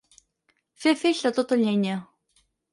Fer feix de tota llenya.